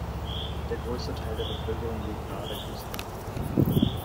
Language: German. Der größte Teil der Bevölkerung lebt nahe der Küste.